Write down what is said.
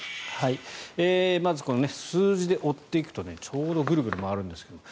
まず、数字で追っていくとちょうどグルグル回るんですよ。